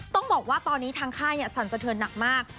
ต้องบอกว่าตอนนี้ทางค่ายสั่นสะเทือนหนักมาก